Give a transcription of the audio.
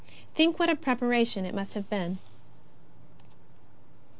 Think what a preparation it must have been.